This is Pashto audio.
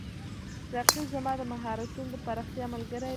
رقیب زما د مهارتونو د پراختیا ملګری دی